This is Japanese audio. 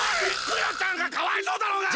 クヨちゃんがかわいそうだろうが！